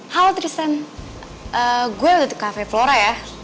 halo tristan gue udah di cafe flora ya